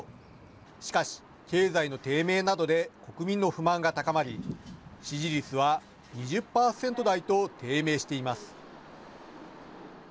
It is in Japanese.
しかし、経済の低迷などで国民の不満が高まり、支持率は２０％台と低迷しています。